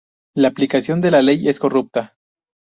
La aplicación de la ley es corrupta.